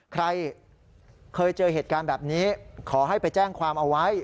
ใครเคยเจอเหตุการณ์แบบนี้ขอให้ไปแจ้งความเอาไว้